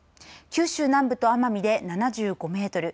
九州南部と奄美で７５メートル